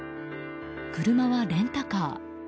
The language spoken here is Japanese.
車はレンタカー。